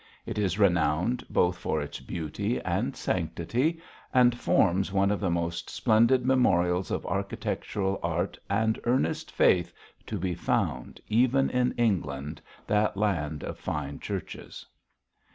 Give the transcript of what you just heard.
It is renowned both for its beauty and sanctity, and forms one of the most splendid memorials of architectural art and earnest faith to be found even in England, that land of fine churches.